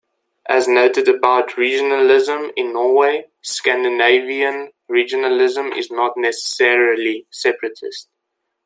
As noted about regionalism in Norway, Scandinavian regionalism is not necessarily separatist.